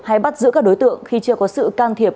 hay bắt giữ các đối tượng khi chưa có sự can thiệp